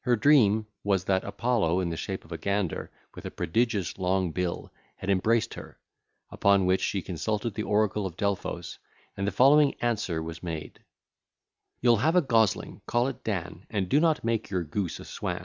Her dream was, that Apollo, in the shape of a gander, with a prodigious long bill, had embraced her; upon which she consulted the Oracle of Delphos, and the following answer was made: You'll have a gosling, call it Dan, And do not make your goose a swan.